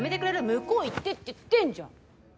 向こう行ってって言ってんじゃん。